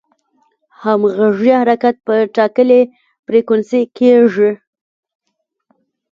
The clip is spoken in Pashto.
همغږي حرکت په ټاکلې فریکونسي کېږي.